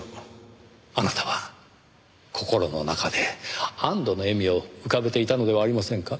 あなたは心の中で安堵の笑みを浮かべていたのではありませんか？